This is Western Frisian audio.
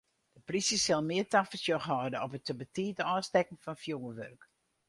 De plysje sil mear tafersjoch hâlde op it te betiid ôfstekken fan fjoerwurk.